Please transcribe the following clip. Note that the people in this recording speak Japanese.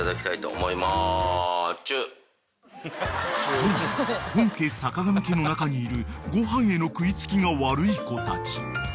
［そう本家坂上家の中にいるご飯への食い付きが悪い子たち］